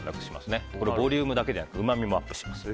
ボリュームだけでなくてうまみもアップします。